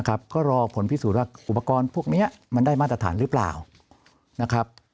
ก็รอผลพิสูจน์ว่าอุปกรณ์พวกนี้มันได้มาตรฐานหรือเปล่านะครับ